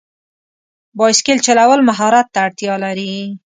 بایسکل چلول مهارت ته اړتیا لري.